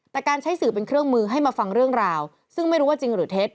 แต่การใช้สื่อเป็นเครื่องมือให้มาฟังเรื่องราวซึ่งไม่รู้ว่าจริงหรือเท็จ